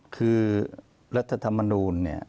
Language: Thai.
คือรัฐธรรมนูลเนี่ย